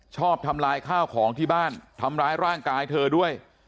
ทำลายข้าวของที่บ้านทำร้ายร่างกายเธอด้วย